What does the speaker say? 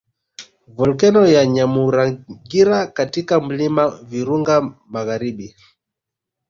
Volkeno ya Nyamuragira katika milima Virunga magharibi